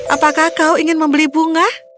apakah kau ingin membeli bunga